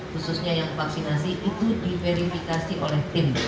khususnya yang vaksinasi itu diverifikasi oleh tim